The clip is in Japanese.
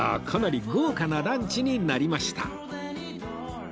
かなり豪華なランチになりました